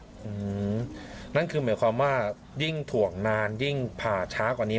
อืมนั่นคือหมายความว่ายิ่งถ่วงนานยิ่งผ่าช้ากว่านี้